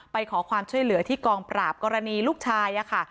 ไปขอความช่วยเหลือที่กองปราบกรณีลูกชายค่ะ